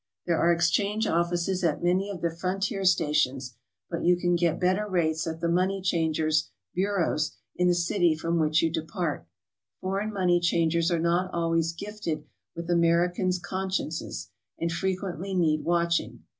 There are exchange offices at many of the frontier stations, but you can get better rates at the money changers' "bureaus" in the city from which you de part. Foreign money changers are not always gifted with Americans consciences, and frequently need watching.